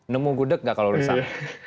nemu gudeg nggak kalau misalnya